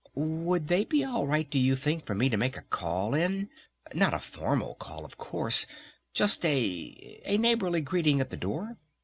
Would they be all right, do you think, for me to make a call in? Not a formal call, of course, just a a neighborly greeting at the door?